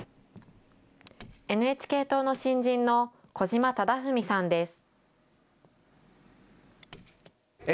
ＮＨＫ党の新人の小島糾史さんです。